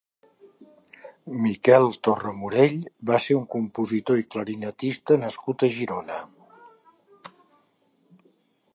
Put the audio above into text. Miquel Torramorell va ser un compositor i clarinetista nascut a Girona.